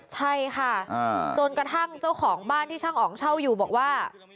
ใช่ค่ะจนกระทั่งเจ้าของบ้านที่ช่างอ๋องเช่าอยู่บอกว่า